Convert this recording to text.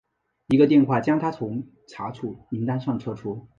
一个电话将他从查处名单上撤除。